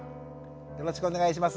よろしくお願いします。